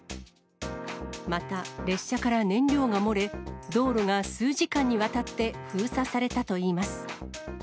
また、列車から燃料が漏れ、道路が数時間にわたって封鎖されたといいます。